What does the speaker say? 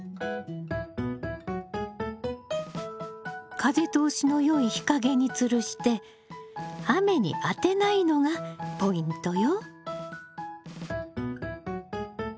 風通しのよい日陰につるして雨に当てないのがポイントよ。